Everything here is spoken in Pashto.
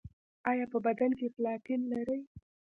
ایا په بدن کې پلاتین لرئ؟